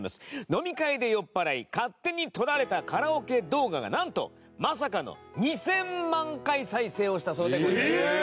飲み会で酔っ払い勝手に撮られたカラオケ動画がなんとまさかの２０００万回再生をしたそうでございます。